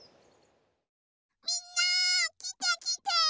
みんなきてきて！